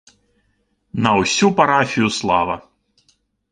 На ўсю парафію слава.